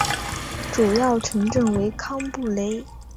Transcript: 主要城镇为康布雷。